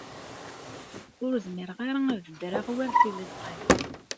Ur zmireɣ ara ad ddreɣ war tiliẓri.